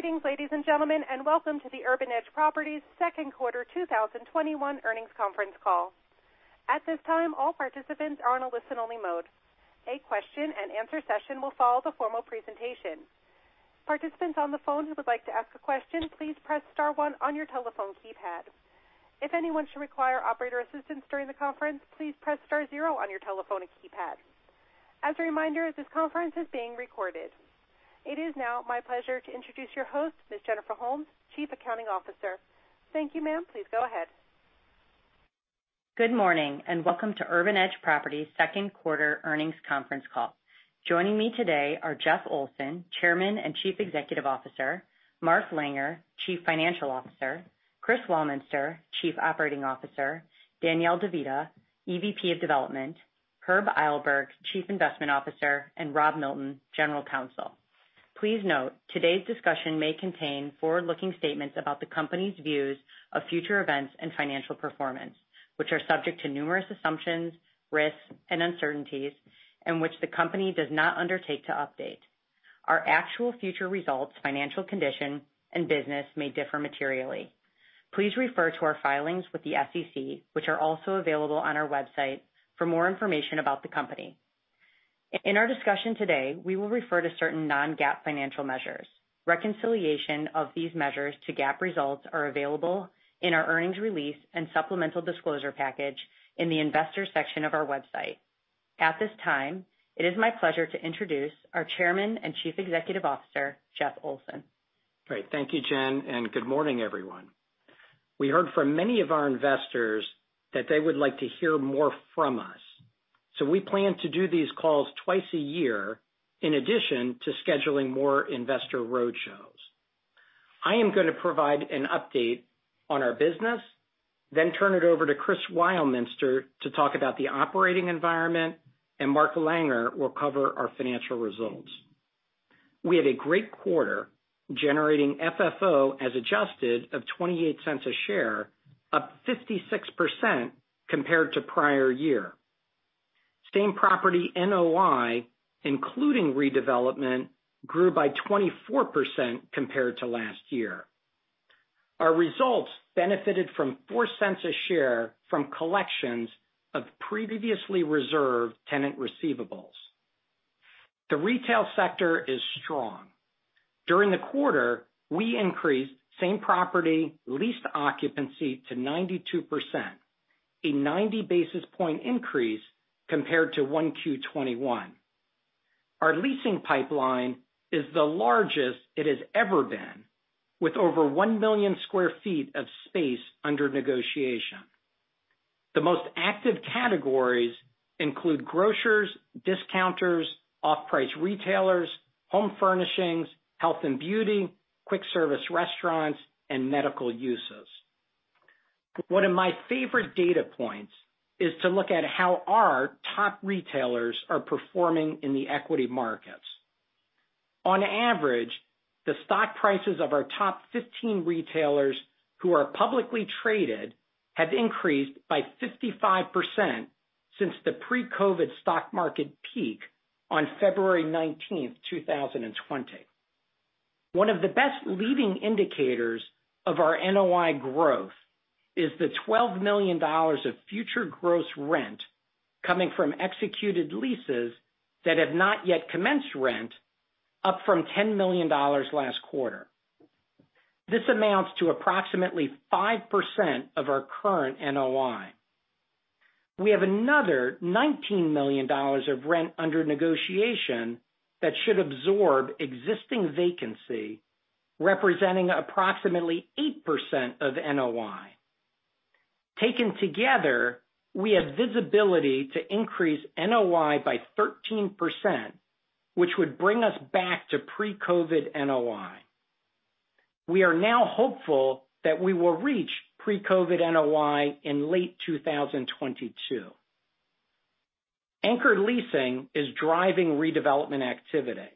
Greetings, ladies and gentlemen, and welcome to the Urban Edge Properties second quarter 2021 earnings conference call. At this time, all participants are on a listen-only mode. A question and answer session will follow the formal presentation. Participants on the phone who would like to ask a question, please press star star on your telephone keypad. If anyone should require operator assistance during the conference, please press star 0 on your telephone keypad. As a reminder, this conference is being recorded. It is now my pleasure to introduce your host, Ms. Jennifer Holmes, Chief Accounting Officer. Thank you, ma'am. Please go ahead. Good morning, and welcome to Urban Edge Properties second quarter earnings conference call. Joining me today are Jeff Olson, Chairman and Chief Executive Officer, Mark Langer, Chief Financial Officer, Chris Weilminster, Chief Operating Officer, Danielle De Vita, EVP of Development, Herb Eilberg, Chief Investment Officer, and Rob Milton, General Counsel. Please note, today's discussion may contain forward-looking statements about the company's views of future events and financial performance, which are subject to numerous assumptions, risks, and uncertainties in which the company does not undertake to update. Our actual future results, financial condition, and business may differ materially. Please refer to our filings with the SEC, which are also available on our website for more information about the company. In our discussion today, we will refer to certain non-GAAP financial measures. Reconciliation of these measures to GAAP results are available in our earnings release and supplemental disclosure package in the investors section of our website. At this time, it is my pleasure to introduce our Chairman and Chief Executive Officer, Jeff Olson. Great. Thank you, Jen. Good morning, everyone. We heard from many of our investors that they would like to hear more from us. We plan to do these calls twice a year in addition to scheduling more investor roadshows. I am going to provide an update on our business. Turn it over to Chris Weilminster to talk about the operating environment. Mark Langer will cover our financial results. We had a great quarter generating FFO as adjusted of $0.28 a share, up 56% compared to prior year. Same property NOI, including redevelopment, grew by 24% compared to last year. Our results benefited from $0.04 a share from collections of previously reserved tenant receivables. The retail sector is strong. During the quarter, we increased same property leased occupancy to 92%, a 90 basis point increase compared to 1Q 2021. Our leasing pipeline is the largest it has ever been, with over 1 billion sq ft of space under negotiation. The most active categories include grocers, discounters, off-price retailers, home furnishings, health and beauty, quick service restaurants, and medical uses. One of my favorite data points is to look at how our top retailers are performing in the equity markets. On average, the stock prices of our top 15 retailers who are publicly traded have increased by 55% since the pre-COVID stock market peak on February 19th, 2020. One of the best leading indicators of our NOI growth is the $12 million of future gross rent coming from executed leases that have not yet commenced rent, up from $10 million last quarter. This amounts to approximately 5% of our current NOI. We have another $19 million of rent under negotiation that should absorb existing vacancy, representing approximately 8% of NOI. Taken together, we have visibility to increase NOI by 13%, which would bring us back to pre-COVID NOI. We are now hopeful that we will reach pre-COVID NOI in late 2022. Anchored leasing is driving redevelopment activity.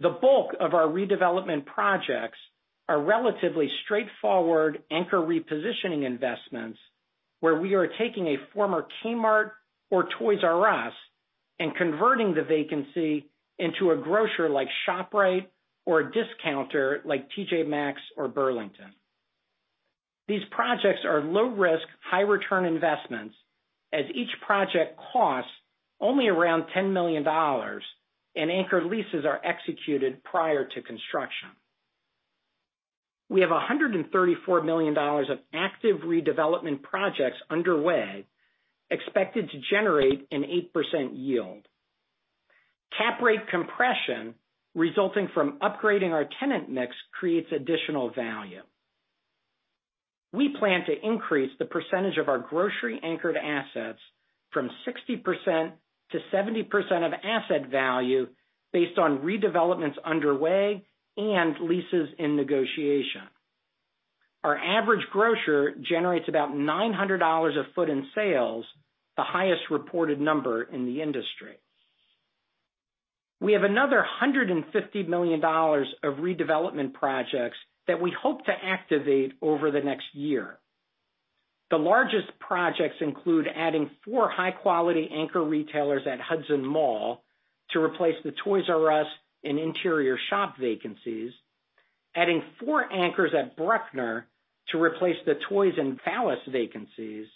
The bulk of our redevelopment projects are relatively straightforward anchor repositioning investments where we are taking a former Kmart or Toys R Us and converting the vacancy into a grocer like ShopRite or a discounter like TJ Maxx or Burlington. These projects are low risk, high return investments as each project costs only around $10 million, and anchored leases are executed prior to construction. We have $134 million of active redevelopment projects underway expected to generate an 8% yield. Cap rate compression resulting from upgrading our tenant mix creates additional value. We plan to increase the percentage of our grocery-anchored assets from 60%-70% of asset value based on redevelopments underway and leases in negotiation. Our average grocer generates about $900 a foot in sales, the highest reported number in the industry. We have another $150 million of redevelopment projects that we hope to activate over the next year. The largest projects include adding four high-quality anchor retailers at Hudson Mall to replace the Toys R Us and Interior Shop vacancies, adding four anchors at Bruckner to replace the Toys and Fallas vacancies,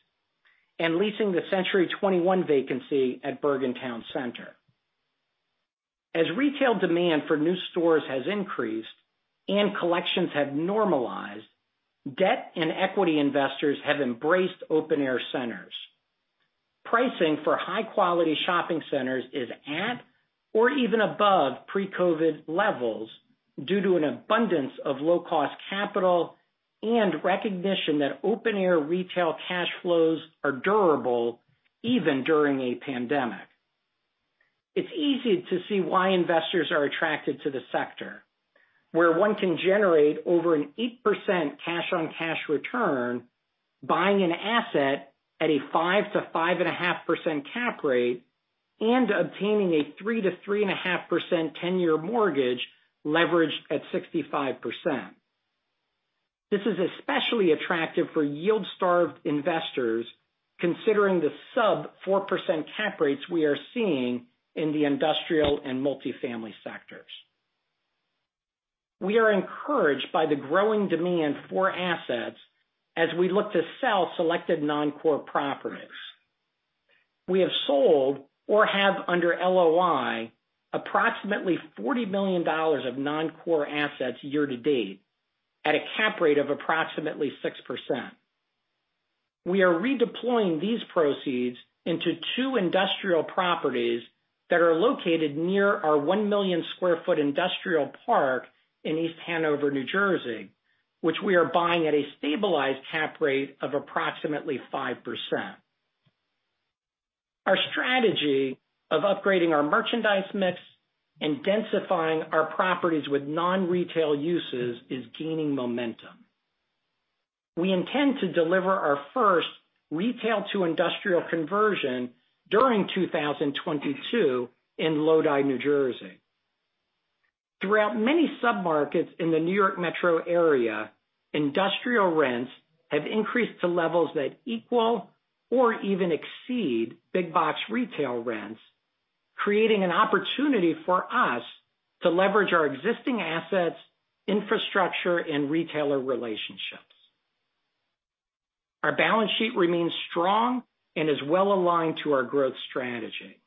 and leasing the Century 21 vacancy at Bergen Town Center. As retail demand for new stores has increased and collections have normalized, debt and equity investors have embraced open air centers. Pricing for high-quality shopping centers is at, or even above pre-COVID levels due to an abundance of low-cost capital and recognition that open air retail cash flows are durable even during a pandemic. It's easy to see why investors are attracted to the sector, where one can generate over an 8% cash on cash return, buying an asset at a 5%-5.5% cap rate, and obtaining a 3%-3.5% 10-year mortgage leverage at 65%. This is especially attractive for yield-starved investors, considering the sub 4% cap rates we are seeing in the industrial and multifamily sectors. We are encouraged by the growing demand for assets as we look to sell selected non-core properties. We have sold or have under LOI, approximately $40 million of non-core assets year-to-date, at a cap rate of approximately 6%. We are redeploying these proceeds into two industrial properties that are located near our 1 million sq ft industrial park in East Hanover, New Jersey, which we are buying at a stabilized cap rate of approximately 5%. Our strategy of upgrading our merchandise mix and densifying our properties with non-retail uses is gaining momentum. We intend to deliver our first retail to industrial conversion during 2022 in Lodi, New Jersey. Throughout many sub-markets in the New York Metro area, industrial rents have increased to levels that equal or even exceed big box retail rents, creating an opportunity for us to leverage our existing assets, infrastructure, and retailer relationships. Our balance sheet remains strong and is well-aligned to our growth strategy.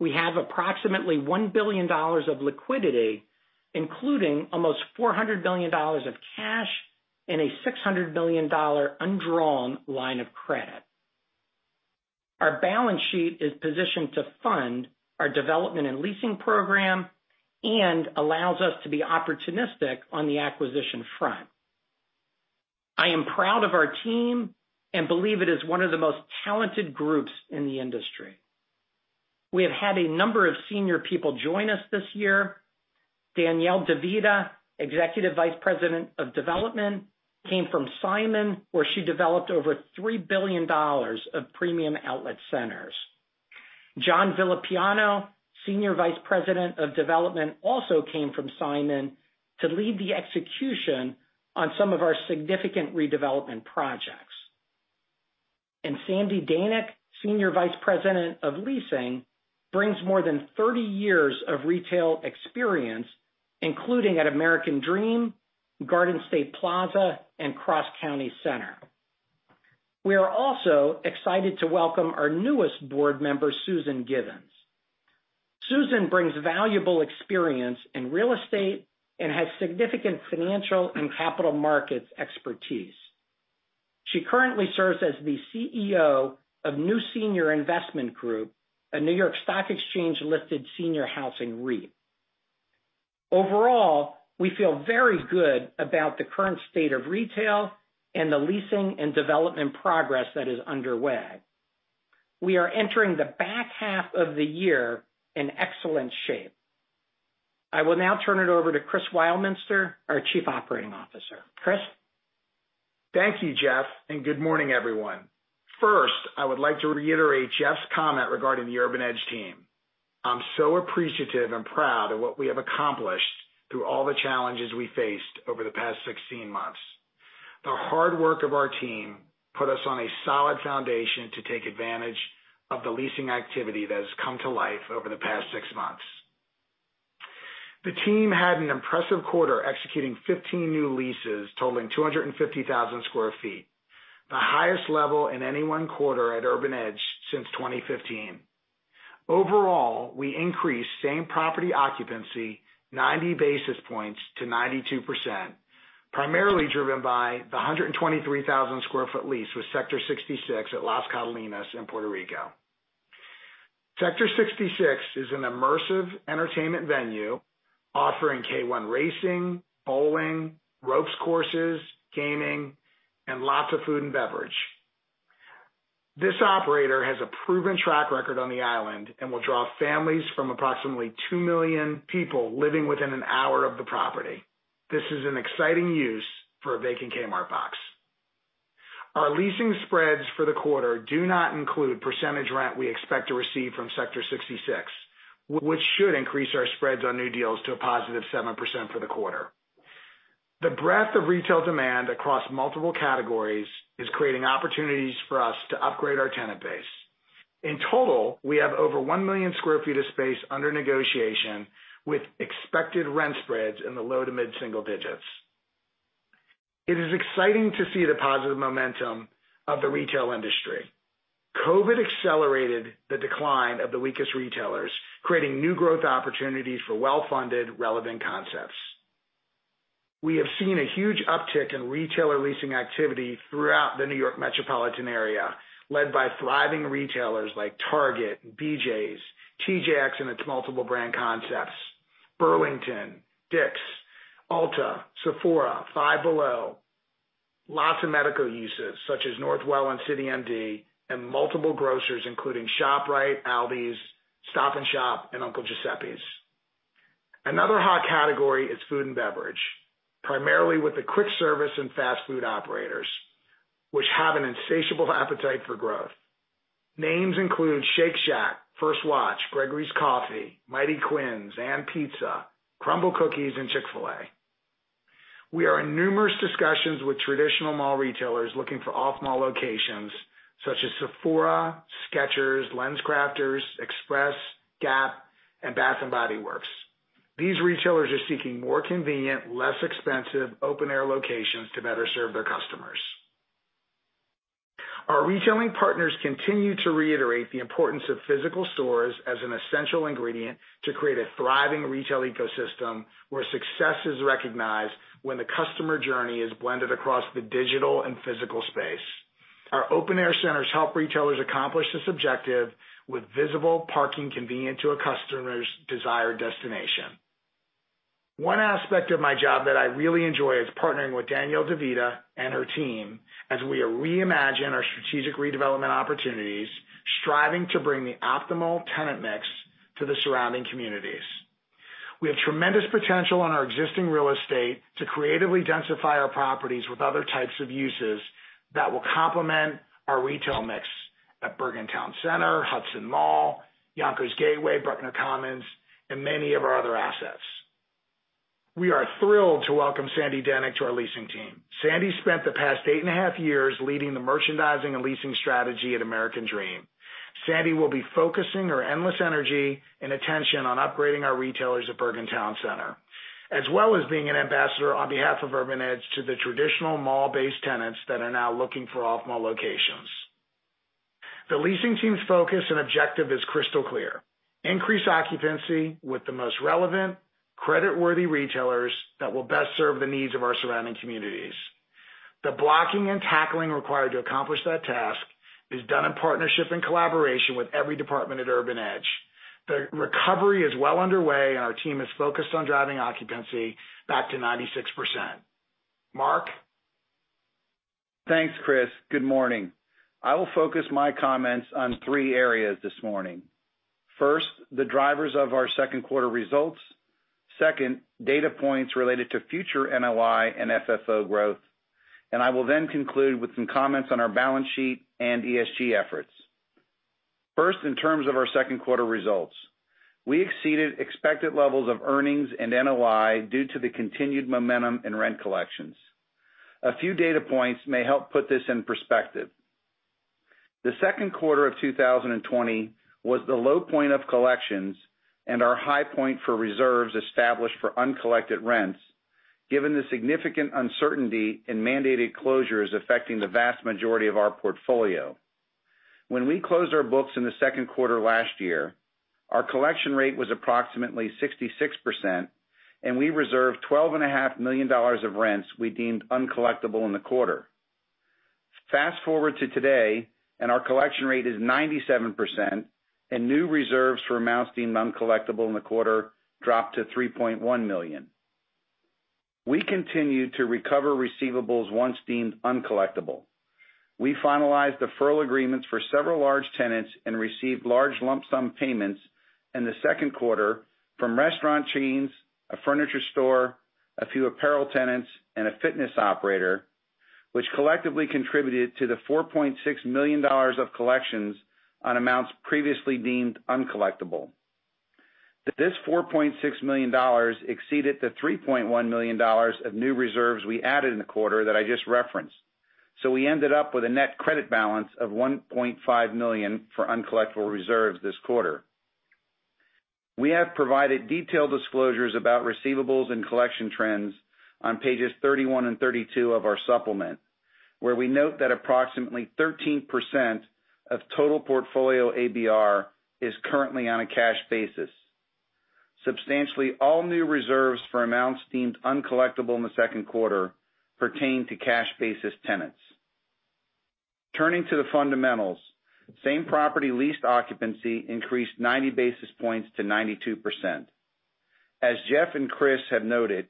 We have approximately $1 billion of liquidity, including almost $400 billion of cash and a $600 billion undrawn line of credit. Our balance sheet is positioned to fund our development and leasing program and allows us to be opportunistic on the acquisition front. I am proud of our team and believe it is one of the most talented groups in the industry. We have had a number of senior people join us this year. Danielle De Vita, Executive Vice President of Development, came from Simon, where she developed over $3 billion of premium outlet centers. John Villapiano, Senior Vice President of Development, also came from Simon to lead the execution on some of our significant redevelopment projects. Sandi Danick, Senior Vice President of Leasing, brings more than 30 years of retail experience, including at American Dream, Garden State Plaza, and Cross County Center. We are also excited to welcome our newest board member, Susan Givens. Susan brings valuable experience in real estate and has significant financial and capital markets expertise. She currently serves as the CEO of New Senior Investment Group, a New York Stock Exchange-listed senior housing REIT. Overall, we feel very good about the current state of retail and the leasing and development progress that is underway. We are entering the back half of the year in excellent shape. I will now turn it over to Chris Weilminster, our Chief Operating Officer. Chris. Thank you, Jeff, and good morning, everyone. First, I would like to reiterate Jeff's comment regarding the Urban Edge team. I'm so appreciative and proud of what we have accomplished through all the challenges we faced over the past 16 months. The hard work of our team put us on a solid foundation to take advantage of the leasing activity that has come to life over the past six months. The team had an impressive quarter, executing 15 new leases totaling 250,000 sq ft, the highest level in any one quarter at Urban Edge since 2015. Overall, we increased same-property occupancy 90 basis points to 92%, primarily driven by the 123,000 sq ft lease with Sector Sixty6 at Las Catalinas in Puerto Rico. Sector Sixty6 is an immersive entertainment venue offering K1 racing, bowling, ropes courses, gaming, and lots of food and beverage. This operator has a proven track record on the island and will draw families from approximately 2 million people living within an hour of the property. This is an exciting use for a vacant Kmart box. Our leasing spreads for the quarter do not include percentage rent we expect to receive from Sector Sixty6, which should increase our spreads on new deals to +7% for the quarter. The breadth of retail demand across multiple categories is creating opportunities for us to upgrade our tenant base. In total, we have over 1 million sq ft of space under negotiation with expected rent spreads in the low to mid-single digits. It is exciting to see the positive momentum of the retail industry. COVID accelerated the decline of the weakest retailers, creating new growth opportunities for well-funded relevant concepts. We have seen a huge uptick in retailer leasing activity throughout the New York metropolitan area, led by thriving retailers like Target, BJ's, TJX and its multiple brand concepts, Burlington, Dick's, Ulta, Sephora, Five Below, lots of medical uses such as Northwell and CityMD, and multiple grocers including ShopRite, Aldi, Stop & Shop, and Uncle Giuseppe's. Another hot category is food and beverage, primarily with the quick service and fast food operators, which have an insatiable appetite for growth. Names include Shake Shack, First Watch, Gregory's Coffee, Mighty Quinn's, &pizza, Crumbl Cookies, and Chick-fil-A. We are in numerous discussions with traditional mall retailers looking for off-mall locations such as Sephora, Skechers, LensCrafters, Express, Gap, and Bath & Body Works. These retailers are seeking more convenient, less expensive open air locations to better serve their customers. Our retailing partners continue to reiterate the importance of physical stores as an essential ingredient to create a thriving retail ecosystem, where success is recognized when the customer journey is blended across the digital and physical space. Our open air centers help retailers accomplish this objective with visible parking convenient to a customer's desired destination. One aspect of my job that I really enjoy is partnering with Danielle De Vita and her team as we reimagine our strategic redevelopment opportunities, striving to bring the optimal tenant mix to the surrounding communities. We have tremendous potential in our existing real estate to creatively densify our properties with other types of uses that will complement our retail mix at Bergen Town Center, Hudson Mall, Yonkers Gateway, Bruckner Commons, and many of our other assets. We are thrilled to welcome Sandi Danick to our leasing team. Sandi spent the past eight and a half years leading the merchandising and leasing strategy at American Dream. Sandi will be focusing her endless energy and attention on upgrading our retailers at Bergen Town Center, as well as being an ambassador on behalf of Urban Edge to the traditional mall-based tenants that are now looking for off-mall locations. The leasing team's focus and objective is crystal clear. Increase occupancy with the most relevant, credit-worthy retailers that will best serve the needs of our surrounding communities. The blocking and tackling required to accomplish that task is done in partnership and collaboration with every department at Urban Edge. The recovery is well underway, and our team is focused on driving occupancy back to 96%. Mark. Thanks, Chris. Good morning. I will focus my comments on three areas this morning. First, the drivers of our second quarter results. Second, data points related to future NOI and FFO growth. I will then conclude with some comments on our balance sheet and ESG efforts. First, in terms of our second quarter results, we exceeded expected levels of earnings and NOI due to the continued momentum in rent collections. A few data points may help put this in perspective. The second quarter of 2020 was the low point of collections and our high point for reserves established for uncollected rents, given the significant uncertainty in mandated closures affecting the vast majority of our portfolio. When we closed our books in the second quarter last year, our collection rate was approximately 66%, and we reserved $12.5 million of rents we deemed uncollectible in the quarter. Fast-forward to today, our collection rate is 97%, and new reserves for amounts deemed uncollectible in the quarter dropped to $3.1 million. We continue to recover receivables once deemed uncollectible. We finalized the furlough agreements for several large tenants and received large lump sum payments in the second quarter from restaurant chains, a furniture store, a few apparel tenants, and a fitness operator, which collectively contributed to the $4.6 million of collections on amounts previously deemed uncollectible. This $4.6 million exceeded the $3.1 million of new reserves we added in the quarter that I just referenced. We ended up with a net credit balance of $1.5 million for uncollectible reserves this quarter. We have provided detailed disclosures about receivables and collection trends on pages 31 and 32 of our supplement, where we note that approximately 13% of total portfolio ABR is currently on a cash basis. Substantially all new reserves for amounts deemed uncollectible in the second quarter pertain to cash basis tenants. Turning to the fundamentals, same property leased occupancy increased 90 basis points to 92%. As Jeff and Chris have noted,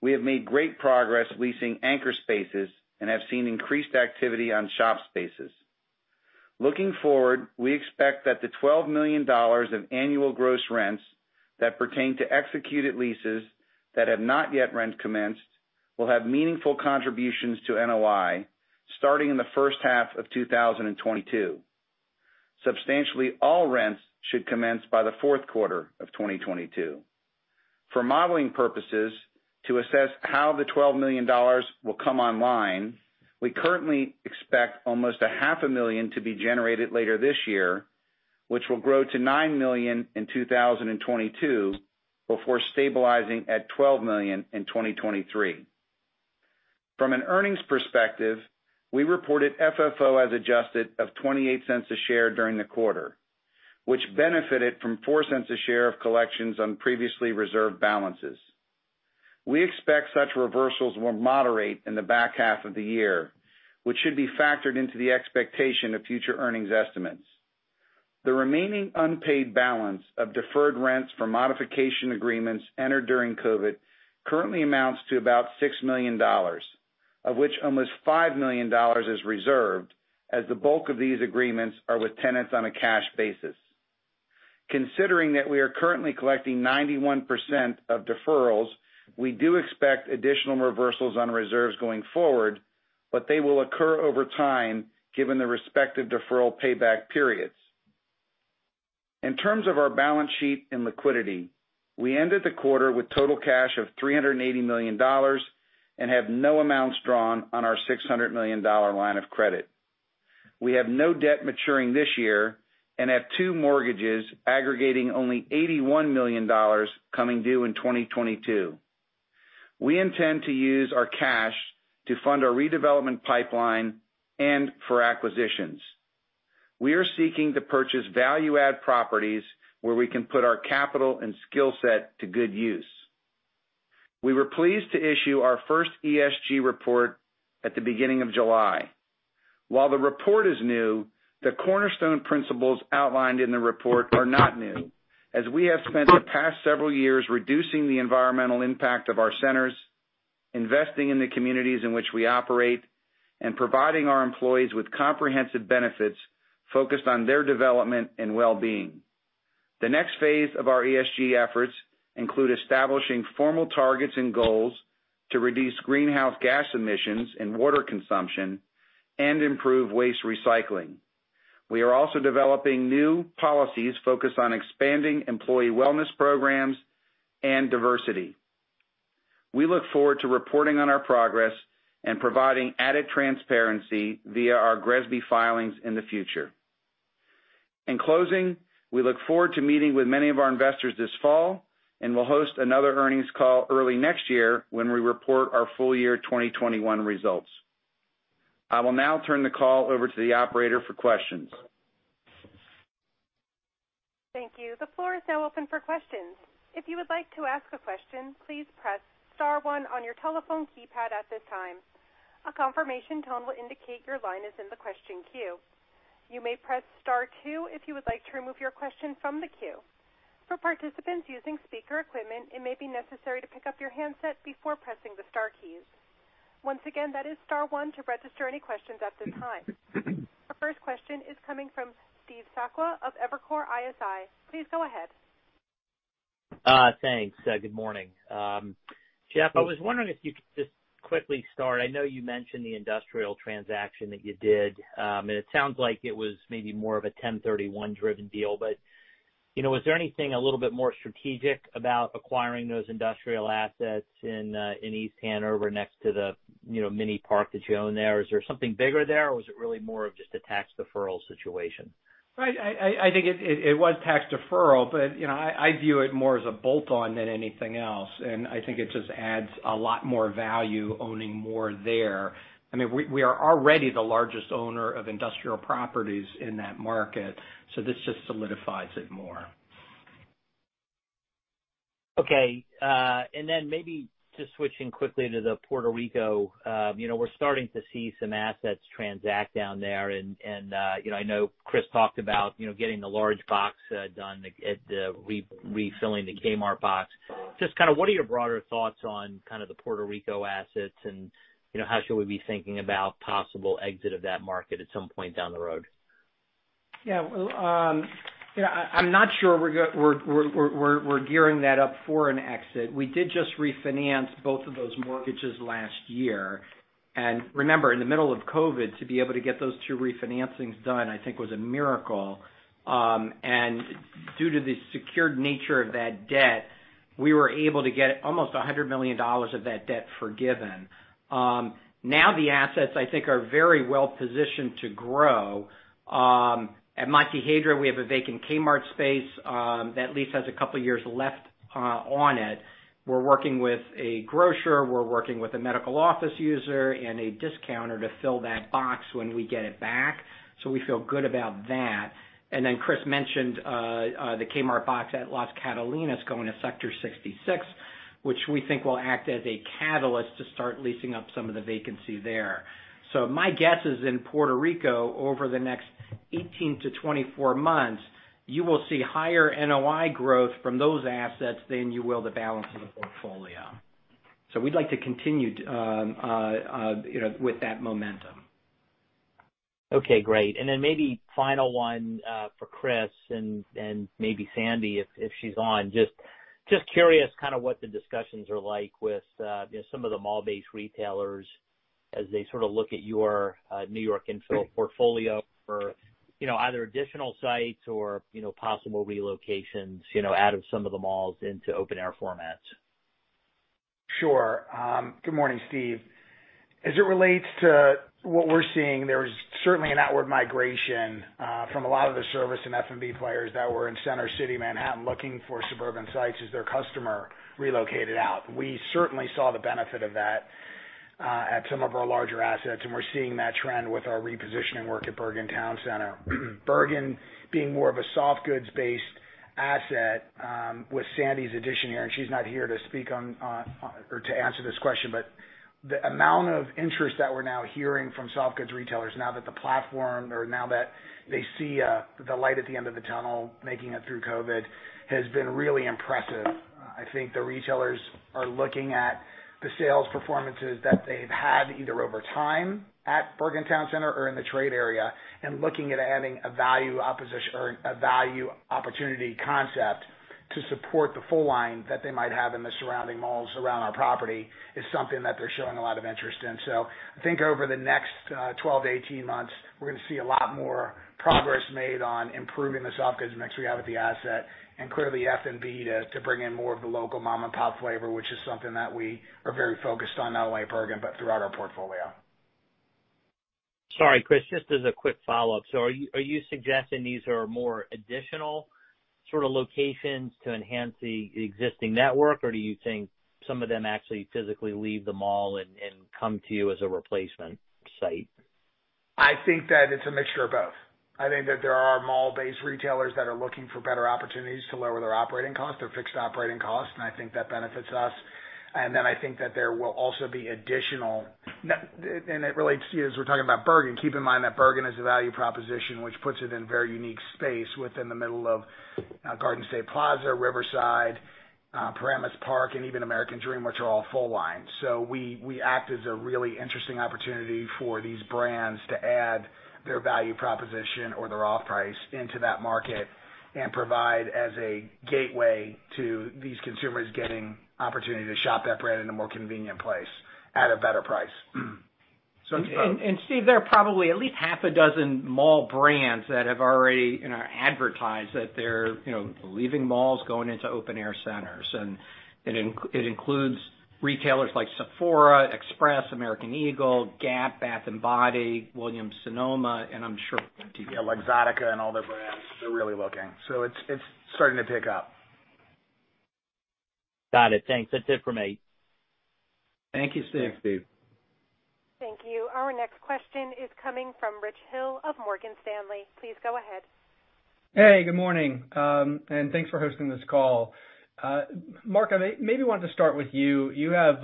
we have made great progress leasing anchor spaces and have seen increased activity on shop spaces. Looking forward, we expect that the $12 million of annual gross rents that pertain to executed leases that have not yet rent commenced will have meaningful contributions to NOI starting in the first half of 2022. Substantially all rents should commence by the fourth quarter of 2022. For modeling purposes, to assess how the $12 million will come online, we currently expect almost $500,000 to be generated later this year, which will grow to $9 million in 2022 before stabilizing at $12 million in 2023. From an earnings perspective, we reported FFO as adjusted of $0.28 a share during the quarter, which benefited from $0.04 a share of collections on previously reserved balances. We expect such reversals will moderate in the back half of the year, which should be factored into the expectation of future earnings estimates. The remaining unpaid balance of deferred rents for modification agreements entered during COVID currently amounts to about $6 million, of which almost $5 million is reserved, as the bulk of these agreements are with tenants on a cash basis. Considering that we are currently collecting 91% of deferrals, we do expect additional reversals on reserves going forward, but they will occur over time given the respective deferral payback periods. In terms of our balance sheet and liquidity, we ended the quarter with total cash of $380 million and have no amounts drawn on our $600 million line of credit. We have no debt maturing this year and have two mortgages aggregating only $81 million coming due in 2022. We intend to use our cash to fund our redevelopment pipeline and for acquisitions. We are seeking to purchase value-add properties where we can put our capital and skill set to good use. We were pleased to issue our first ESG report at the beginning of July. While the report is new, the cornerstone principles outlined in the report are not new, as we have spent the past several years reducing the environmental impact of our centers, investing in the communities in which we operate, and providing our employees with comprehensive benefits focused on their development and well-being. The next phase of our ESG efforts include establishing formal targets and goals to reduce greenhouse gas emissions and water consumption and improve waste recycling. We are also developing new policies focused on expanding employee wellness programs and diversity. We look forward to reporting on our progress and providing added transparency via our GRESB filings in the future. In closing, we look forward to meeting with many of our investors this fall, and will host another earnings call early next year when we report our full year 2021 results. I will now turn the call over to the operator for questions. Thank you. The floor is now open for questions. If you would like to ask a question, please press star one on your telephone keypad at this time. A confirmation tone will indicate your line is in the question queue. You may press star two if you would like to remove your question from the queue. For participants using speaker equipment, it may be necessary to pick up your handset before pressing the star keys. Once again, that is star one to register any questions at this time. Our first question is coming from Steve Sakwa of Evercore ISI. Please go ahead. Thanks. Good morning. Jeff, I was wondering if you could just quickly start. I know you mentioned the industrial transaction that you did. It sounds like it was maybe more of a 1031 driven deal, but was there anything a little bit more strategic about acquiring those industrial assets in East Hanover next to the mini park that you own there? Is there something bigger there, or was it really more of just a tax deferral situation? Right. I think it was tax deferral, but I view it more as a bolt-on than anything else. I think it just adds a lot more value owning more there. We are already the largest owner of industrial properties in that market, so this just solidifies it more. Okay. Maybe just switching quickly to the Puerto Rico. We're starting to see some assets transact down there, and I know Chris talked about getting the large box done at refilling the Kmart box. Just what are your broader thoughts on kind of the Puerto Rico assets and how should we be thinking about possible exit of that market at some point down the road? Yeah. I'm not sure we're gearing that up for an exit. We did just refinance both of those mortgages last year. Remember, in the middle of COVID, to be able to get those two refinancings done, I think was a miracle. Due to the secured nature of that debt, we were able to get almost $100 million of that debt forgiven. Now the assets, I think, are very well positioned to grow. At Montehiedra, we have a vacant Kmart space that lease has a couple of years left on it. We're working with a grocer, we're working with a medical office user, and a discounter to fill that box when we get it back. We feel good about that. Chris mentioned the Kmart box at Las Catalinas going to Sector Sixty6, which we think will act as a catalyst to start leasing up some of the vacancy there. My guess is in Puerto Rico over the next 18-24 months, you will see higher NOI growth from those assets than you will the balance of the portfolio. We'd like to continue with that momentum. Okay, great. Maybe final one for Chris and maybe Sandi if she's on. Just curious kind of what the discussions are like with some of the mall-based retailers as they sort of look at your New York portfolio for either additional sites or possible relocations out of some of the malls into open air formats. Sure. Good morning, Steve. As it relates to what we're seeing, there's certainly an outward migration from a lot of the service and F&B players that were in Center City, Manhattan, looking for suburban sites as their customer relocated out. We certainly saw the benefit of that at some of our larger assets, and we're seeing that trend with our repositioning work at Bergen Town Center. Bergen being more of a soft goods based asset with Sandi's addition here, and she's not here to speak on or to answer this question, but the amount of interest that we're now hearing from soft goods retailers now that the platform, or now that they see the light at the end of the tunnel making it through COVID, has been really impressive. I think the retailers are looking at the sales performances that they've had, either over time at Bergen Town Center or in the trade area, and looking at adding a value opposition or a value opportunity concept to support the full line that they might have in the surrounding malls around our property, is something that they're showing a lot of interest in. I think over the next 12-18 months, we're going to see a lot more progress made on improving the soft goods mix we have at the asset. Clearly F&B to bring in more of the local mom and pop flavor, which is something that we are very focused on, not only at Bergen, but throughout our portfolio. Sorry, Chris, just as a quick follow-up. Are you suggesting these are more additional sort of locations to enhance the existing network, or do you think some of them actually physically leave the mall and come to you as a replacement site? I think that it's a mixture of both. I think that there are mall-based retailers that are looking for better opportunities to lower their operating costs, their fixed operating costs. I think that benefits us. I think that there will also be. It relates to you as we're talking about Bergen. Keep in mind that Bergen is a value proposition, which puts it in very unique space within the middle of Garden State Plaza, Riverside, Paramus Park, and even American Dream, which are all full line. We act as a really interesting opportunity for these brands to add their value proposition or their off-price into that market and provide as a gateway to these consumers getting opportunity to shop that brand in a more convenient place at a better price. It's both. Steve, there are probably at least half a dozen mall brands that have already advertised that they're leaving malls, going into open air centers, and it includes retailers like Sephora, Express, American Eagle, Gap, Bath & Body, Williams-Sonoma, and I'm sure TVL. Luxottica and all their brands. They're really looking. It's starting to pick up. Got it. Thanks. That's it for me. Thank you, Steve. Thanks, Steve. Thank you. Our next question is coming from Rich Hill of Morgan Stanley. Please go ahead. Hey, good morning. Thanks for hosting this call. Mark, I maybe wanted to start with you. You have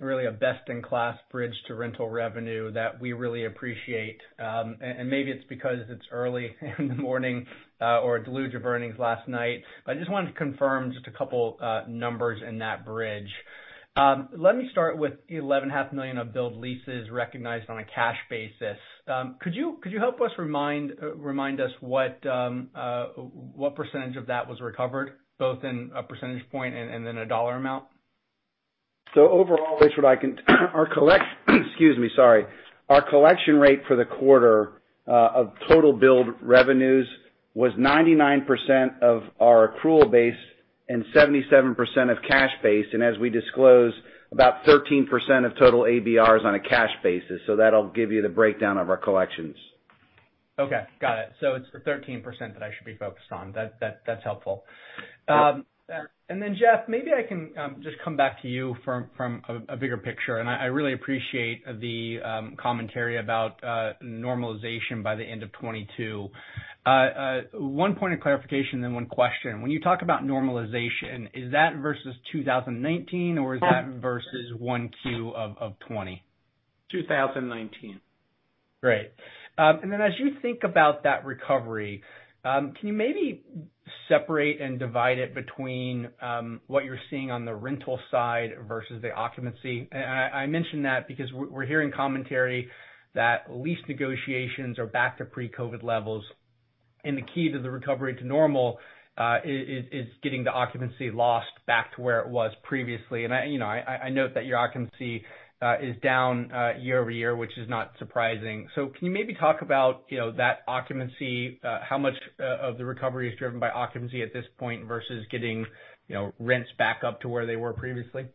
really a best in class bridge to rental revenue that we really appreciate. Maybe it's because it's early in the morning or deluge of earnings last night, I just wanted to confirm just a couple numbers in that bridge. Let me start with the $11.5 of billed leases recognized on a cash basis. Could you help us remind us what percentage of that was recovered, both in a percentage point and then a dollar amount? Overall, Rich, excuse me, sorry. Our collection rate for the quarter of total billed revenues was 99% of our accrual basis and 77% of cash basis. As we disclosed, about 13% of total ABRs on a cash basis. That'll give you the breakdown of our collections. Okay. Got it. It's the 13% that I should be focused on. That's helpful. Jeff, maybe I can just come back to you from a bigger picture, and I really appreciate the commentary about normalization by the end of 2022. One point of clarification, then one question. When you talk about normalization, is that versus 2019 or is that versus 1Q of 2020? 2019. Great. As you think about that recovery, can you maybe separate and divide it between what you're seeing on the rental side versus the occupancy? I mention that because we're hearing commentary that lease negotiations are back to pre-COVID levels. The key to the recovery to normal is getting the occupancy lost back to where it was previously. I note that your occupancy is down year-over-year, which is not surprising. Can you maybe talk about that occupancy, how much of the recovery is driven by occupancy at this point versus getting rents back up to where they were previously?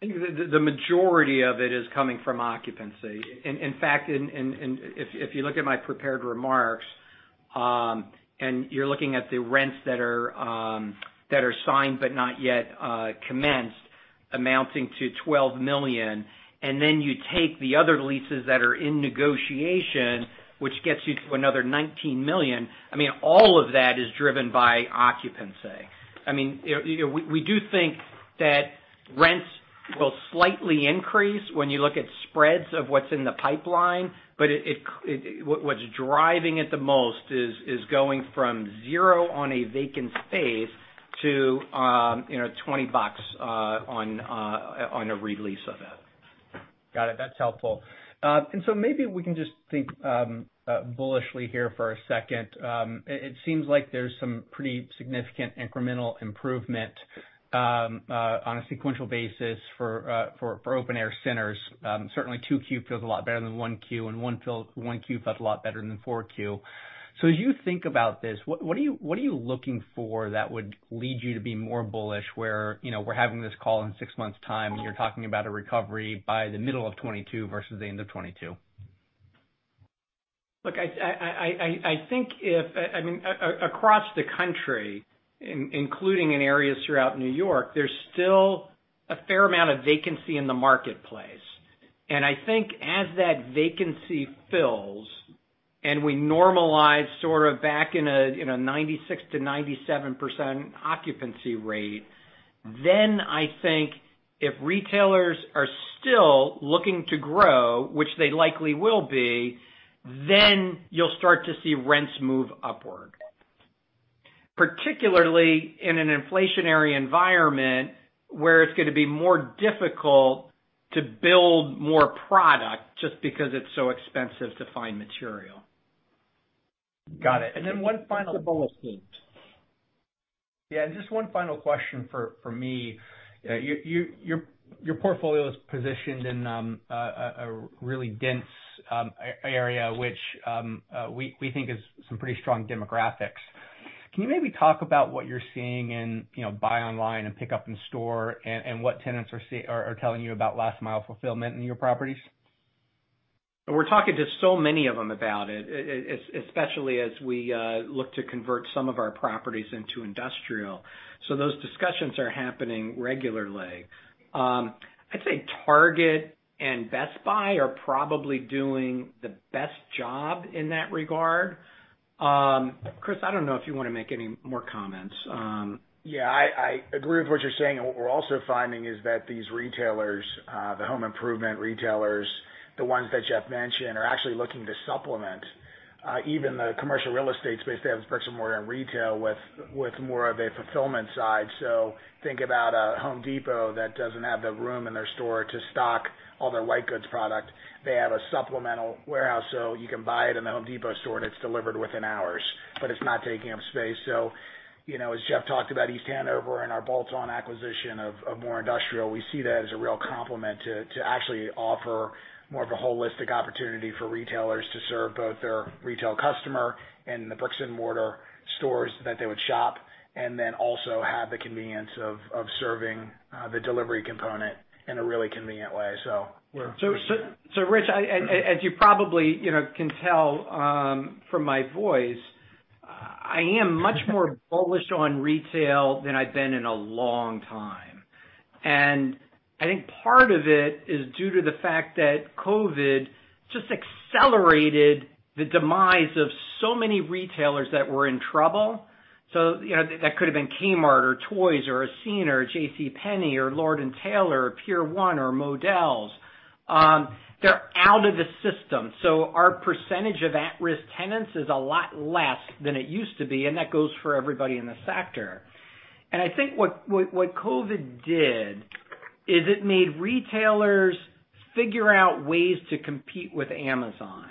I think the majority of it is coming from occupancy. In fact, if you look at my prepared remarks, you're looking at the rents that are signed but not yet commenced, amounting to $12 million. You take the other leases that are in negotiation, which gets you to another $19 million. I mean, all of that is driven by occupancy. I mean, we do think that rents will slightly increase when you look at spreads of what's in the pipeline, what's driving it the most is going from 0 on a vacant space to $20 on a re-lease of it. Got it. That's helpful. Maybe we can just think bullishly here for a second. It seems like there's some pretty significant incremental improvement on a sequential basis for open-air centers. Certainly 2Q feels a lot better than 1Q, and 1Q felt a lot better than 4Q. As you think about this, what are you looking for that would lead you to be more bullish where we're having this call in six months' time, and you're talking about a recovery by the middle of 2022 versus the end of 2022? Look, I think Across the country, including in areas throughout New York, there's still a fair amount of vacancy in the marketplace. I think as that vacancy fills and we normalize sort of back in a 96%-97% occupancy rate, I think if retailers are still looking to grow, which they likely will be, you'll start to see rents move upward. Particularly in an inflationary environment where it's going to be more difficult to build more product just because it's so expensive to find material. Got it. That's the bullish case. Yeah. Just one final question from me. Your portfolio is positioned in a really dense area, which we think is some pretty strong demographics. Can you maybe talk about what you're seeing in buy online and pick up in store, and what tenants are telling you about last mile fulfillment in your properties? We're talking to so many of them about it, especially as we look to convert some of our properties into industrial. Those discussions are happening regularly. I'd say Target and Best Buy are probably doing the best job in that regard. Chris, I don't know if you want to make any more comments. Yeah, I agree with what you're saying. What we're also finding is that these retailers, the home improvement retailers, the ones that Jeff mentioned, are actually looking to supplement even the commercial real estate space they have bricks and mortar in retail with more of a fulfillment side. Think about a Home Depot that doesn't have the room in their store to stock all their white goods product. They have a supplemental warehouse, so you can buy it in the Home Depot store, and it's delivered within hours, but it's not taking up space. As Jeff talked about East Hanover and our bolt-on acquisition of more industrial, we see that as a real complement to actually offer more of a holistic opportunity for retailers to serve both their retail customer and the bricks and mortar stores that they would shop, and then also have the convenience of serving the delivery component in a really convenient way. yeah. Rich, as you probably can tell from my voice, I am much more bullish on retail than I've been in a long time. I think part of it is due to the fact that COVID just accelerated the demise of so many retailers that were in trouble. That could have been Kmart or Toys or Ascena or JCPenney or Lord & Taylor or Pier 1 or Modell's. They're out of the system. Our percentage of at-risk tenants is a lot less than it used to be, and that goes for everybody in the sector. I think what COVID did is it made retailers figure out ways to compete with Amazon.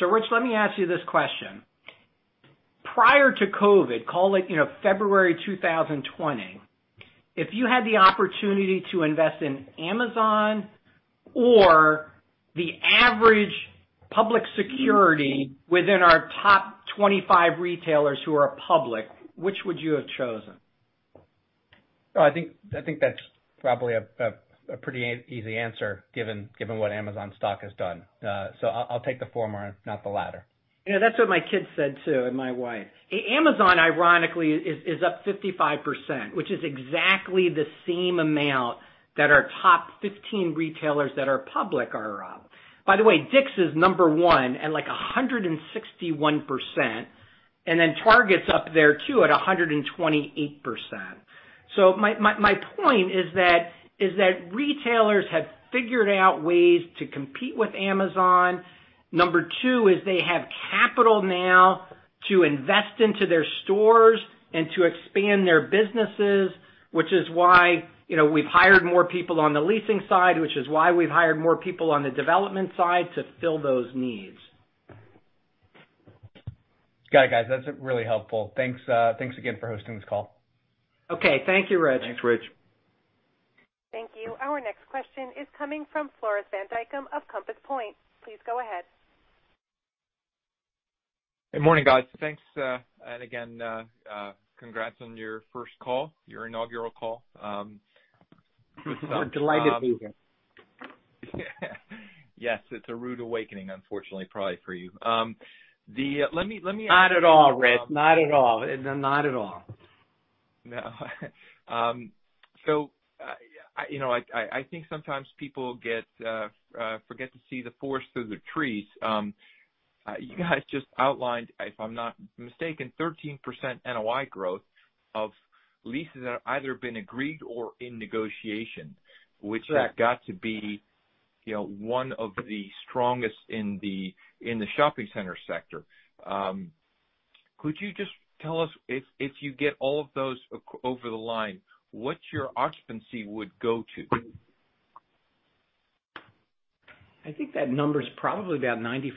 Rich, let me ask you this question. Prior to COVID, call it February 2020, if you had the opportunity to invest in Amazon or the average public security within our top 25 retailers who are public, which would you have chosen? Oh, I think that's probably a pretty easy answer given what Amazon stock has done. I'll take the former, not the latter. Yeah, that's what my kids said too, and my wife. Amazon, ironically, is up 55%, which is exactly the same amount that our top 15 retailers that are public are up. By the way, Dick's is number one at, like, 161%, and then Target's up there too at 128%. My point is that retailers have figured out ways to compete with Amazon. Number two is they have capital now to invest into their stores and to expand their businesses, which is why we've hired more people on the leasing side, which is why we've hired more people on the development side to fill those needs. Got it, guys. That's really helpful. Thanks again for hosting this call. Okay. Thank you, Rich. Thanks, Rich. Thank you. Our next question is coming from Floris van Dijkum of Compass Point. Please go ahead. Good morning, guys. Thanks. Again, congrats on your first call, your inaugural call. We're delighted to be here. Yes. It's a rude awakening, unfortunately, probably for you. Not at all, Floris. Not at all. No, not at all. No. I think sometimes people forget to see the forest through the trees. You guys just outlined, if I'm not mistaken, 13% NOI growth of leases that have either been agreed or in negotiation. Correct which has got to be one of the strongest in the shopping center sector. Could you just tell us if you get all of those over the line, what your occupancy would go to? I think that number's probably about 94%.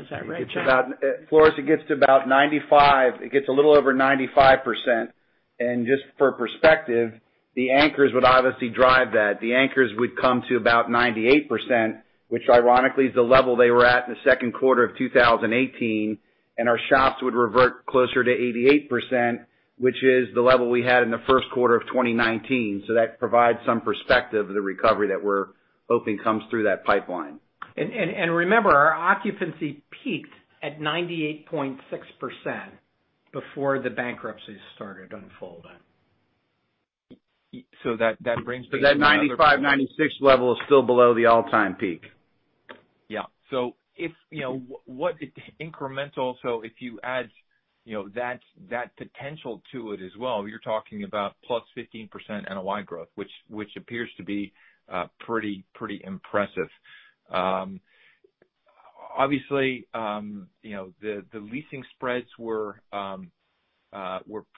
Is that right, Jeff? Floris, it gets to about 95%. It gets a little over 95%. Just for perspective, the anchors would obviously drive that. The anchors would come to about 98%, which ironically is the level they were at in the second quarter of 2018, and our shops would revert closer to 88%, which is the level we had in the first quarter of 2019. That provides some perspective of the recovery that we're hoping comes through that pipeline. Remember, our occupancy peaked at 98.6% before the bankruptcies started unfolding. So that brings me to another- That 95, 96 level is still below the all-time peak. Yeah. If you add that potential to it as well, you're talking about +15% NOI growth, which appears to be pretty impressive. Obviously, the leasing spreads were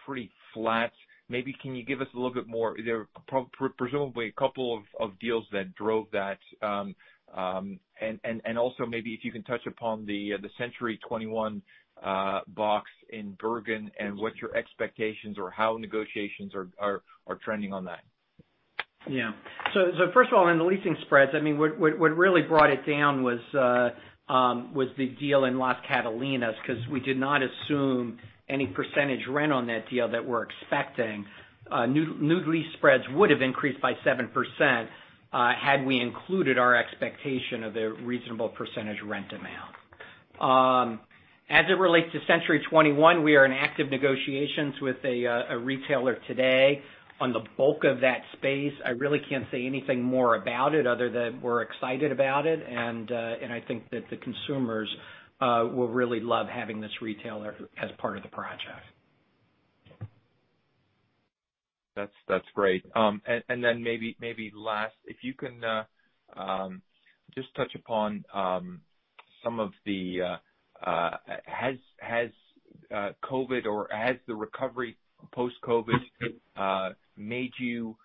pretty flat. Maybe can you give us a little bit more? There are presumably a couple of deals that drove that, and also maybe if you can touch upon the Century 21 box in Bergen and what your expectations or how negotiations are trending on that. Yeah. First of all, in the leasing spreads, what really brought it down was the deal in Las Catalinas, because we did not assume any percentage rent on that deal that we're expecting. New lease spreads would've increased by 7%, had we included our expectation of a reasonable percentage rent amount. As it relates to Century 21, we are in active negotiations with a retailer today on the bulk of that space. I really can't say anything more about it other than we're excited about it, and I think that the consumers will really love having this retailer as part of the project. That's great. Maybe last, if you can just touch upon, has COVID, or has the recovery post-COVID, made you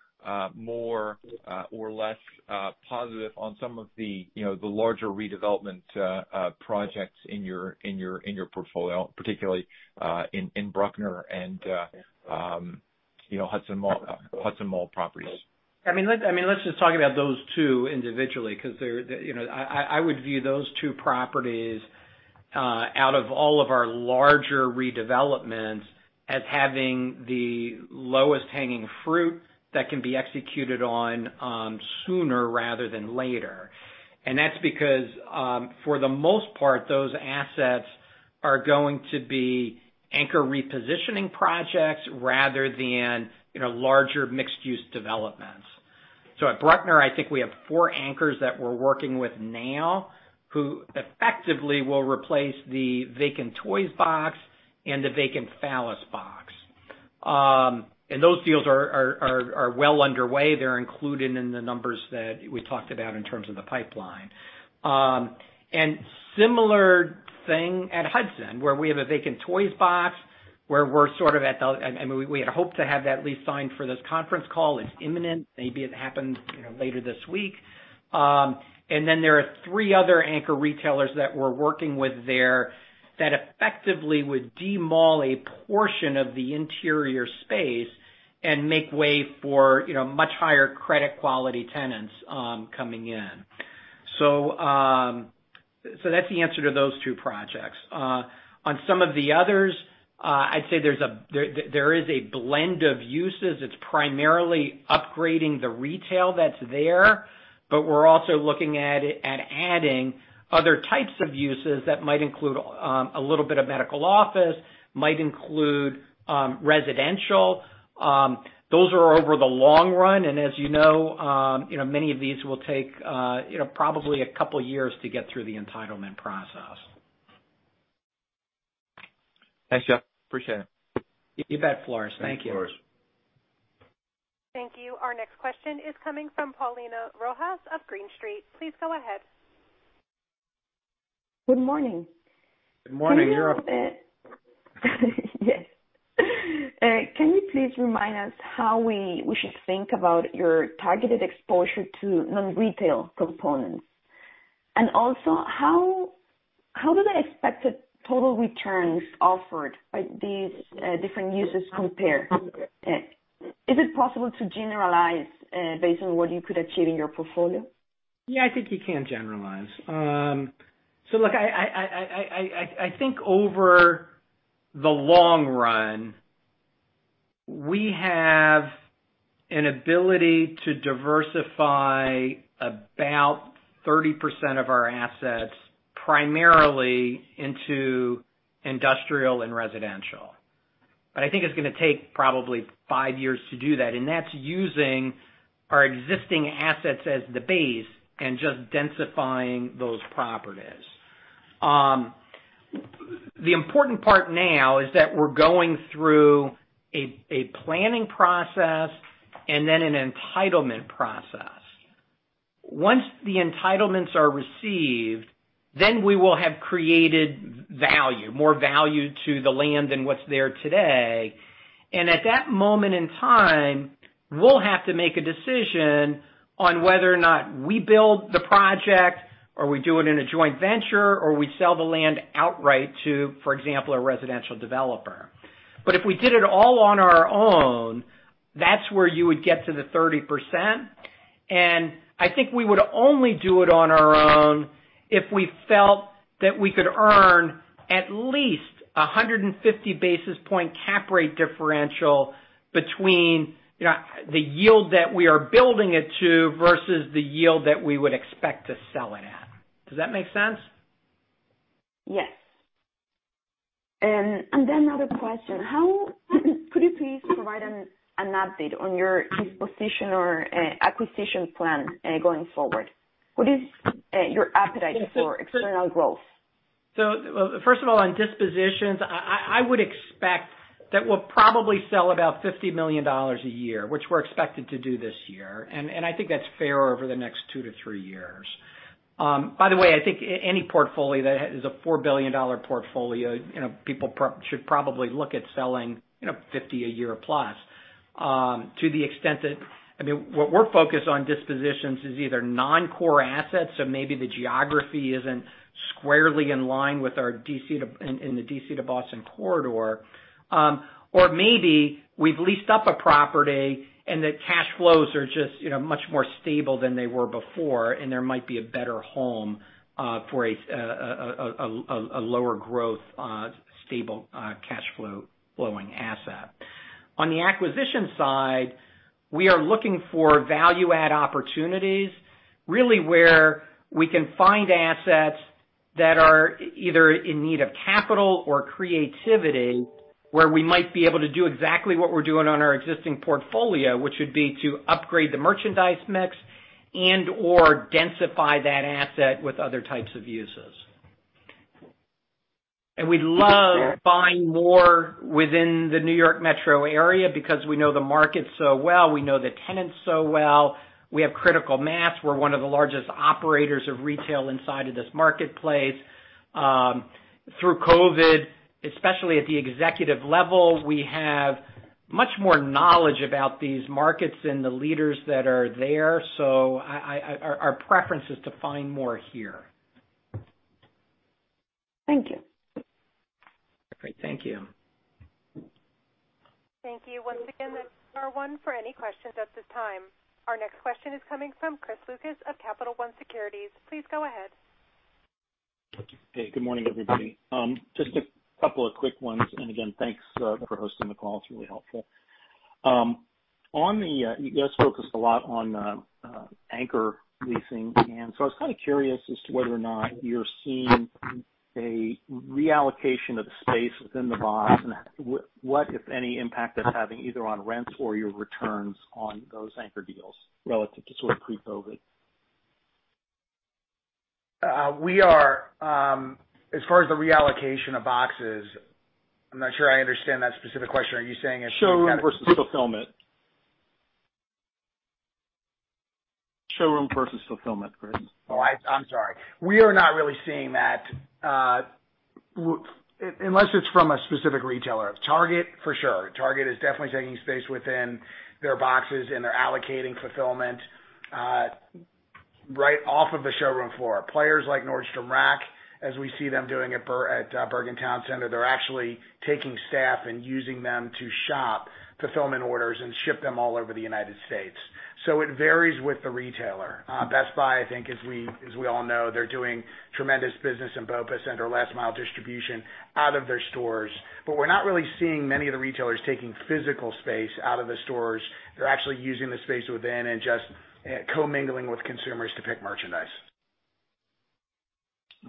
more or less positive on some of the larger redevelopment projects in your portfolio, particularly in Bruckner and Hudson Mall properties? Let's just talk about those two individually, because I would view those two properties, out of all of our larger redevelopments, as having the lowest hanging fruit that can be executed on sooner rather than later. That's because, for the most part, those assets are going to be anchor repositioning projects rather than larger mixed-use developments. At Bruckner, I think we have four anchors that we're working with now who effectively will replace the vacant Toys R Us box and the vacant Fallas box. Those deals are well underway. They're included in the numbers that we talked about in terms of the pipeline. Similar thing at Hudson, where we have a vacant Toys R Us box, where we had hoped to have that lease signed for this conference call. It's imminent. Maybe it happens later this week. There are three other anchor retailers that we're working with there that effectively would de-mall a portion of the interior space and make way for much higher credit quality tenants coming in. That's the answer to those two projects. On some of the others, I'd say there is a blend of uses. It's primarily upgrading the retail that's there, but we're also looking at adding other types of uses that might include a little bit of medical office, might include residential. Those are over the long run, and as you know, many of these will take probably a couple of years to get through the entitlement process. Thanks, Jeff. Appreciate it. You bet, Floris. Thank you. Thank you, Floris. Thank you. Our next question is coming from Paulina Rojas of Green Street. Please go ahead. Good morning. Good morning. Europe. Yes. Can you please remind us how we should think about your targeted exposure to non-retail components? Also, how do the expected total returns offered by these different uses compare? Is it possible to generalize based on what you could achieve in your portfolio? Yeah, I think you can generalize. Look, I think over the long run, we have an ability to diversify about 30% of our assets primarily into industrial and residential. I think it's going to take probably five years to do that, and that's using our existing assets as the base and just densifying those properties. The important part now is that we're going through a planning process and then an entitlement process. Once the entitlements are received, then we will have created value, more value to the land than what's there today. At that moment in time, we'll have to make a decision on whether or not we build the project or we do it in a joint venture, or we sell the land outright to, for example, a residential developer. If we did it all on our own, that's where you would get to the 30%. I think we would only do it on our own if we felt that we could earn at least 150 basis point cap rate differential between the yield that we are building it to versus the yield that we would expect to sell it at. Does that make sense? Yes. Another question. Could you please provide an update on your disposition or acquisition plan going forward? What is your appetite for external growth? First of all, on dispositions, I would expect that we'll probably sell about $50 million a year, which we're expected to do this year. I think that's fair over the next two to three years. By the way, I think any portfolio that is a $4 billion portfolio, people should probably look at selling $50 a year plus. What we're focused on dispositions is either non-core assets, so maybe the geography isn't squarely in line with in the D.C. to Boston corridor. Maybe we've leased up a property and the cash flows are just much more stable than they were before, and there might be a better home, for a lower growth, stable, cash flow flowing asset. On the acquisition side, we are looking for value add opportunities, really where we can find assets that are either in need of capital or creativity, where we might be able to do exactly what we're doing on our existing portfolio, which would be to upgrade the merchandise mix and/or densify that asset with other types of uses. We'd love buying more within the New York Metro area because we know the market so well. We know the tenants so well. We have critical mass. We're one of the largest operators of retail inside of this marketplace. Through COVID, especially at the executive level, we have much more knowledge about these markets and the leaders that are there. Our preference is to find more here. Thank you. Great. Thank you. Thank you. Once again, that's number one for any questions at this time. Our next question is coming from Chris Lucas of Capital One Securities. Please go ahead. Hey, good morning, everybody. Just a couple of quick ones. Again, thanks for hosting the call. It's really helpful. You guys focused a lot on anchor leasing, and so I was kind of curious as to whether or not you're seeing a reallocation of the space within the box, and what, if any, impact that's having either on rents or your returns on those anchor deals relative to sort of pre-COVID. As far as the reallocation of boxes, I'm not sure I understand that specific question. Are you saying if- Showroom versus fulfillment. Showroom versus fulfillment, Chris. I'm sorry. We are not really seeing that, unless it's from a specific retailer. Target, for sure. Target is definitely taking space within their boxes, and they're allocating fulfillment right off of the showroom floor. Players like Nordstrom Rack, as we see them doing at Bergen Town Center, they're actually taking staff and using them to shop fulfillment orders and ship them all over the U.S. It varies with the retailer. Best Buy, I think, as we all know, they're doing tremendous business in BOPIS and/or last mile distribution out of their stores. We're not really seeing many of the retailers taking physical space out of the stores. They're actually using the space within and just co-mingling with consumers to pick merchandise.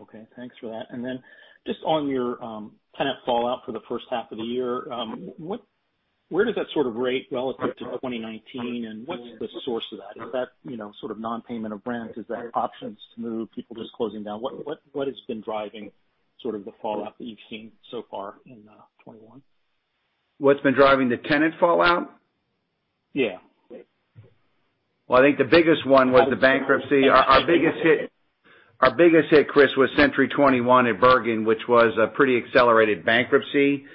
Okay, thanks for that. Then just on your tenant fallout for the first half of the year, where does that sort of rate relative to 2019 and what's the source of that? Is that sort of non-payment of rent? Is that options to move, people just closing down? What has been driving sort of the fallout that you've seen so far in 2021? What's been driving the tenant fallout? Yeah. Well, I think the biggest one was the bankruptcy. Our biggest hit, Chris, was Century 21 at Bergen, which was a pretty accelerated bankruptcy.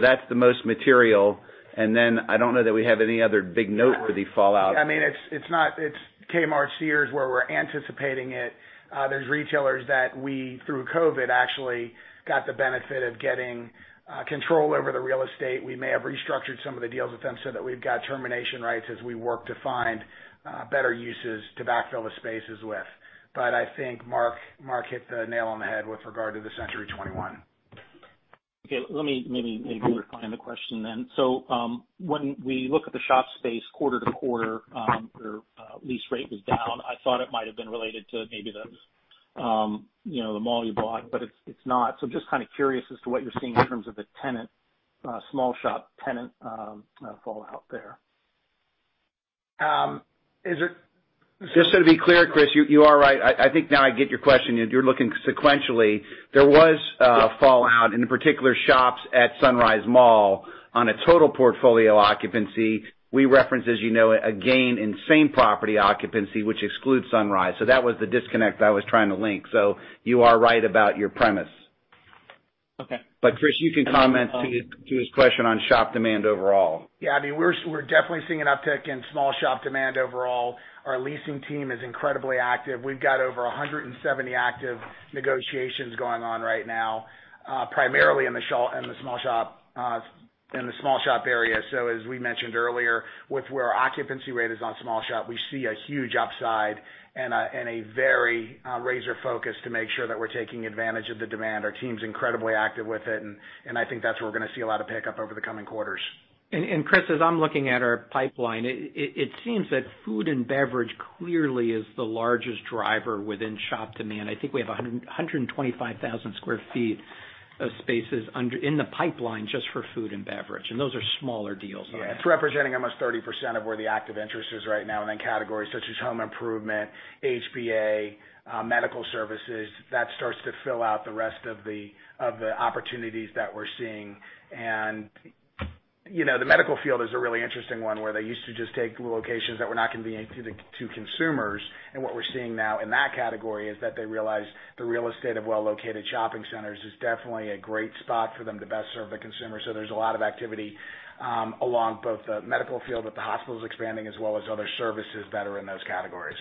That's the most material. I don't know that we have any other big noteworthy fallout. I mean, it's Kmart, Sears, where we're anticipating it. There's retailers that we, through COVID, actually got the benefit of getting control over the real estate. We may have restructured some of the deals with them so that we've got termination rights as we work to find better uses to backfill the spaces with. I think Mark hit the nail on the head with regard to the Century 21. Okay, let me maybe refine the question then. When we look at the shop space quarter to quarter, where lease rate was down, I thought it might have been related to maybe the mall you bought, but it's not. Just kind of curious as to what you're seeing in terms of the small shop tenant fallout there. Is it- To be clear, Chris, you are right. I think now I get your question. You're looking sequentially. There was a fallout in the particular shops at Sunrise Mall on a total portfolio occupancy. We reference, as you know, a gain in same property occupancy, which excludes Sunrise. That was the disconnect I was trying to link. You are right about your premise. Okay. Chris, you can comment to his question on shop demand overall. Yeah. We're definitely seeing an uptick in small shop demand overall. Our leasing team is incredibly active. We've got over 170 active negotiations going on right now primarily in the small shop area. As we mentioned earlier, with where our occupancy rate is on small shop, we see a huge upside and a very razor focus to make sure that we're taking advantage of the demand. Our team's incredibly active with it, and I think that's where we're going to see a lot of pickup over the coming quarters. Chris, as I'm looking at our pipeline, it seems that food and beverage clearly is the largest driver within shop demand. I think we have 125,000 square feet of spaces in the pipeline just for food and beverage, and those are smaller deals. Yeah. It's representing almost 30% of where the active interest is right now. Categories such as home improvement, HPA, medical services, that starts to fill out the rest of the opportunities that we're seeing. The medical field is a really interesting one, where they used to just take locations that were not convenient to consumers. What we're seeing now in that category is that they realize the real estate of well-located shopping centers is definitely a great spot for them to best serve the consumer. There's a lot of activity along both the medical field with the hospitals expanding as well as other services that are in those categories.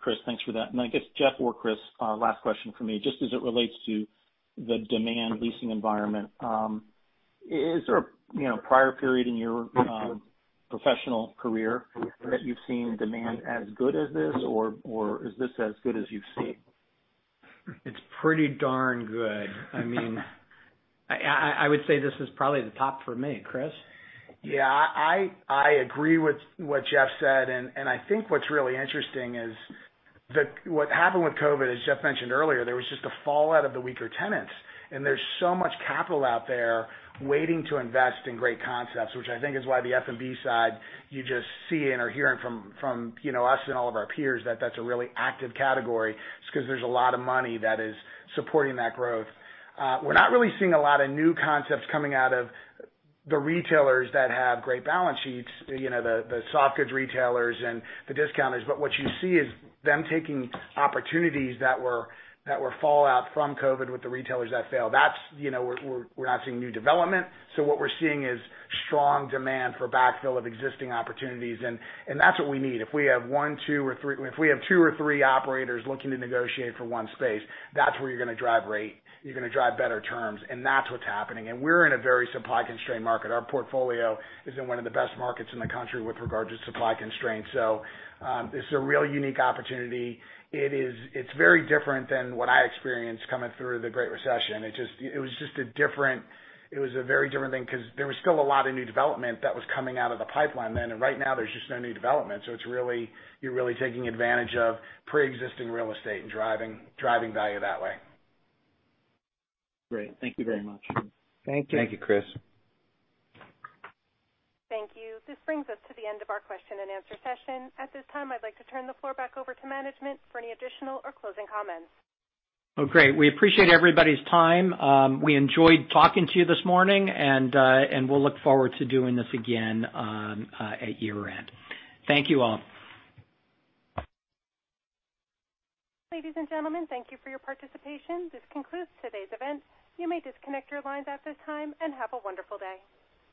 Chris, thanks for that. I guess, Jeff or Chris, last question from me, just as it relates to the demand leasing environment. Is there a prior period in your professional career that you've seen demand as good as this, or is this as good as you've seen? It's pretty darn good. I would say this is probably the top for me. Chris? Yeah. I agree with what Jeff said, and I think what's really interesting is that what happened with COVID, as Jeff mentioned earlier, there was just a fallout of the weaker tenants, and there's so much capital out there waiting to invest in great concepts, which I think is why the F&B side you just see and are hearing from us and all of our peers that that's a really active category, is because there's a lot of money that is supporting that growth. We're not really seeing a lot of new concepts coming out of the retailers that have great balance sheets, the soft goods retailers and the discounters. What you see is them taking opportunities that were fallout from COVID with the retailers that failed. We're not seeing new development. What we're seeing is strong demand for backfill of existing opportunities, and that's what we need. If we have two or three operators looking to negotiate for one space, that's where you're going to drive rate, you're going to drive better terms, and that's what's happening. We're in a very supply-constrained market. Our portfolio is in one of the best markets in the country with regard to supply constraints. This is a real unique opportunity. It's very different than what I experienced coming through the Great Recession. It was a very different thing because there was still a lot of new development that was coming out of the pipeline then, and right now there's just no new development. You're really taking advantage of preexisting real estate and driving value that way. Great. Thank you very much. Thank you. Thank you, Chris. Thank you. This brings us to the end of our question-and-answer session. At this time, I'd like to turn the floor back over to management for any additional or closing comments. Oh, great. We appreciate everybody's time. We enjoyed talking to you this morning, and we'll look forward to doing this again at year-end. Thank you all. Ladies and gentlemen, thank you for your participation. This concludes today's event. You may disconnect your lines at this time, and have a wonderful day.